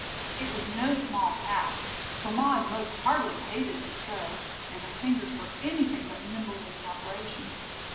It was no small task, for Maud most heartily hated to sew, and her fingers were anything but nimble in the operation.